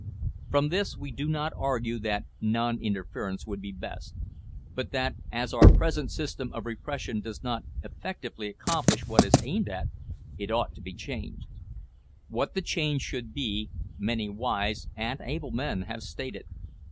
From this we do not argue that non interference would be best, but that as our present system of repression does not effectively accomplish what is aimed at, it ought to be changed. What the change should be, many wise and able men have stated.